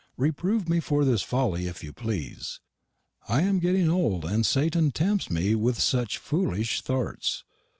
Reproove me for this folley if you plese. I am getting olde, and Sattan temts me with seche fooleish thorts.